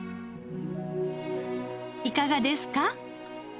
いかがですか？